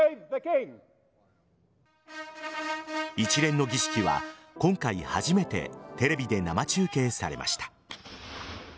一連の儀式は今回初めてテレビで生中継されました。